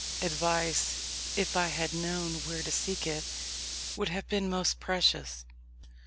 Advice, if I had known where to seek it, would have been most precious.